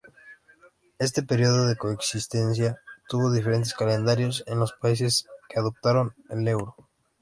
Este período de coexistencia tuvo diferentes calendarios en los países que adoptaron el euro.